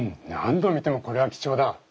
何度見てもこれは貴重だ！